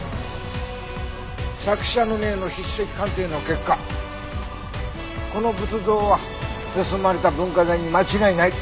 作者の銘の筆跡鑑定の結果この仏像は盗まれた文化財に間違いない。